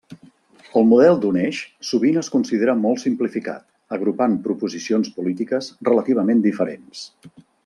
El model d'un eix sovint es considera molt simplificat, agrupant proposicions polítiques relativament diferents.